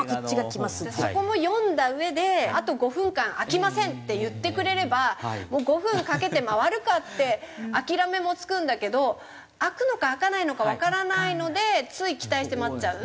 そこも読んだうえで「あと５分間開きません」って言ってくれればもう５分かけて回るかって諦めもつくんだけど開くのか開かないのかわからないのでつい期待して待っちゃう。